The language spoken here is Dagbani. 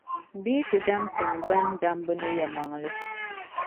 Bɛ yitidam tiŋgbani, dambu ni yεlmaŋli.